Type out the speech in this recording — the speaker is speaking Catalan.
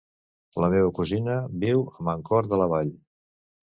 La meva cosina viu a Mancor de la Vall.